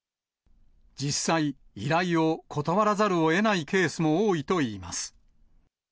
実際、依頼を断らざるをえないケースも多いといいます。